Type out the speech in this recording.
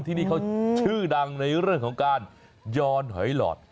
ที่นี่เขาชื่อดังในเรื่องของการยอนหอยหลอด